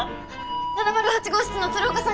７０８号室の鶴岡さん